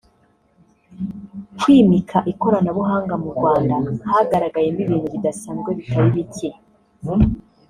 Kwimika ikoranabuhanga mu Rwanda” hagaragayemo ibintu bidasanzwe bitari bike